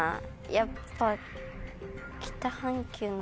やっぱ。